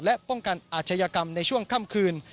และป้องกันอาชญากรรมในช่วงค่ำคืน